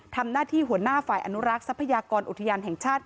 หัวหน้าฝ่ายอนุรักษ์ทรัพยากรอุทยานแห่งชาติ